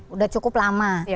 udah cukup lama